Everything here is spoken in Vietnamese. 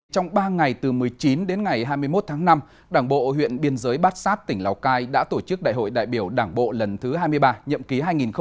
trong ba ngày từ một mươi chín đến ngày hai mươi một tháng năm đảng bộ huyện biên giới bát sát tỉnh lào cai đã tổ chức đại hội đại biểu đảng bộ lần thứ hai mươi ba nhậm ký hai nghìn hai mươi hai nghìn hai mươi năm